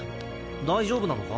大丈夫なのか？